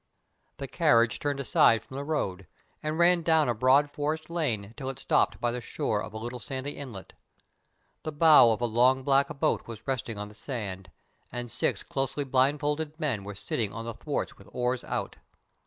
The carriage turned aside from the road, and ran down a broad forest lane till it stopped by the shore of a little sandy inlet. The bow of a long black boat was resting on the sand, and six closely blindfolded men were sitting on the thwarts with oars out.